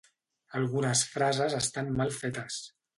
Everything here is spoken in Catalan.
Algunes frases estan mal fetes.